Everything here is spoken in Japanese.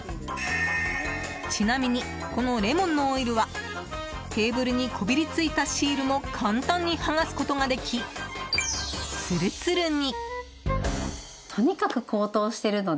ちなみに、このレモンのオイルはテーブルにこびりついたシールも簡単に剥がすことができつるつるに。